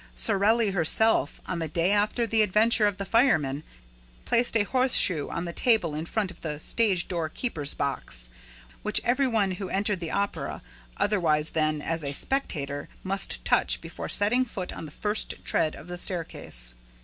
Sorelli herself, on the day after the adventure of the fireman, placed a horseshoe on the table in front of the stage door keeper's box, which every one who entered the Opera otherwise than as a spectator must touch before setting foot on the first tread of the staircase.